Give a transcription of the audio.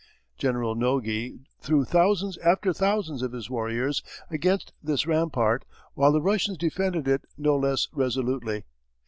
General Nogi threw thousands after thousands of his warriors against this rampart while the Russians defended it no less resolutely.